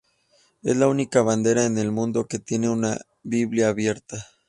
Es la única bandera en el mundo que tiene una Biblia abierta.